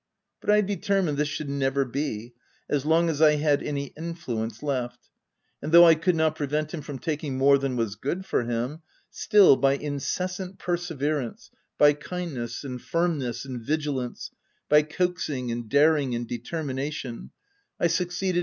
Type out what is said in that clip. But I determined this should never be, as long as I had any influence left ; and though I could not prevent him from taking more than was good for him, still, by incessant perseverance, by kindness, and firmness, and vigilance, by coax ing, and daring, and determination,— I succeeded OF WILDFELL HALL.